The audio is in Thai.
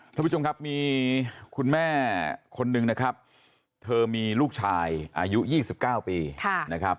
ท่านผู้ชมครับมีคุณแม่คนหนึ่งนะครับเธอมีลูกชายอายุ๒๙ปีนะครับ